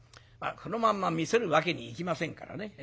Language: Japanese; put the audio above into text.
このまんま見せるわけにいきませんからね